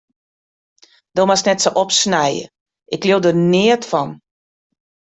Do moatst net sa opsnije, ik leau der neat fan.